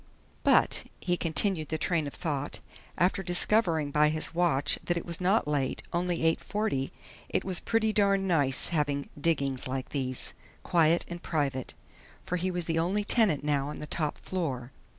But he continued the train of thought, after discovering by his watch that it was not late; only 8:40 it was pretty darned nice having "diggings" like these. Quiet and private. For he was the only tenant now on the top floor.